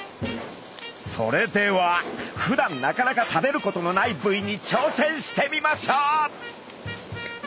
それではふだんなかなか食べることのない部位に挑戦してみましょう！